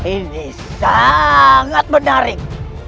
ini sangat menarik